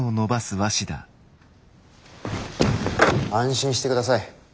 安心してください。